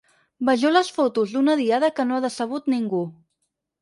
Vegeu les fotos d’una diada que no ha decebut ningú.